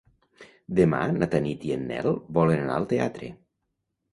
Demà na Tanit i en Nel volen anar al teatre.